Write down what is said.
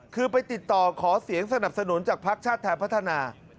คือไปติดต่อขอเสียงสนับสนุนจากภักดิ์ชาติไทยพัฒนา